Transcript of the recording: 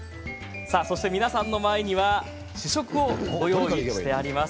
そして皆さんの前には試食をご用意しています。